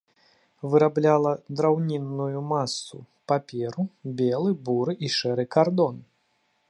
Вырабляла драўнінную масу, паперу, белы, буры і шэры кардон.